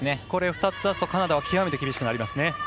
これを２つ出すとカナダは極めて厳しくなりますね。